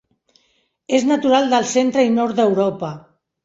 És natural del centre i nord d'Europa.